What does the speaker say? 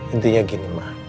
intinya gini ma